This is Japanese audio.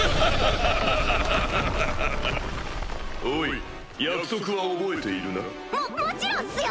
おい約束は覚えているな？ももちろんっすよ！